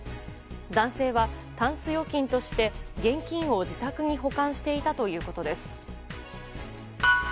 男性はたんす預金として現金を自宅に保管していたということです。